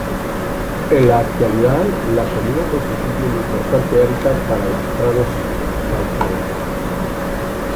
En la actualidad, la colina constituye un importante hábitat para las prados calcáreos.